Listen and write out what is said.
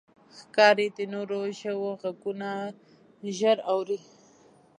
ښکاري د نورو ژوو غږونه ژر اوري.